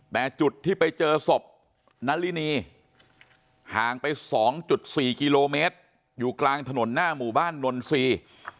แต่จุดที่ไปเจอศพนารินีห่างไป๒๔กิโลเมตรอยู่กลางถนนหน้าหมู่บ้านนนทรีย์